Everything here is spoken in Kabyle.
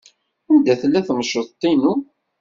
Anda tella temceḍt-inu?